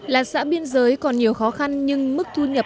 là xã biên giới còn nhiều khó khăn nhưng mức thu nhập hàng tuần